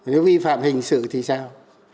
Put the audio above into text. nếu vi phạm hình sự thì sao